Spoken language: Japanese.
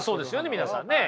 皆さんね。